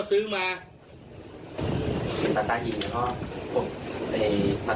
ห้ะห้อสร้างอะไรครับ